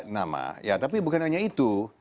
enam puluh tiga nama ya tapi bukan hanya itu